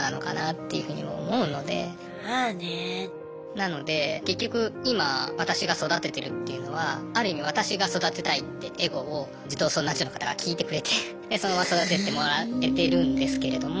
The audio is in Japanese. なので結局今私が育ててるっていうのはある意味私が育てたいってエゴを児童相談所の方が聞いてくれてでそのまま育ててもらえてるんですけれども。